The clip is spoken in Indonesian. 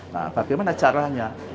nah bagaimana caranya